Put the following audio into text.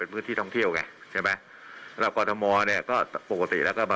เป็นพื้นที่ท่องเที่ยวไงใช่ไหมแล้วก็เนี่ยก็ปกติแล้วก็มา